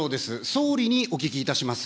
総理にお聞きいたします。